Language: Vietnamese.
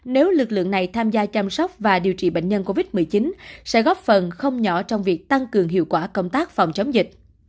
nếu lực lượng này tham gia chăm sóc và điều trị bệnh nhân covid một mươi chín sẽ góp phần không nhỏ trong việc tăng cường hiệu quả công tác phòng chống dịch